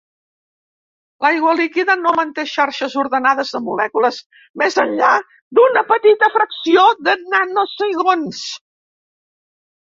L'aigua líquida no manté xarxes ordenades de molècules més enllà d'una petita fracció de nanosegons.